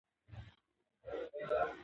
سمندر نه شتون د افغانانو د ژوند طرز اغېزمنوي.